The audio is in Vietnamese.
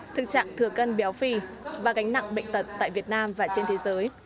thực trạng thừa cân béo phì và gánh nặng bệnh tật tại việt nam và trên thế giới